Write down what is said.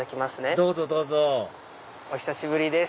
どうぞどうぞお久しぶりです。